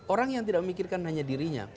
orang yang tidak memikirkan hanya dirinya